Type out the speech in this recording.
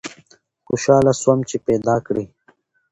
خوشحاله سوم چي پیداکړې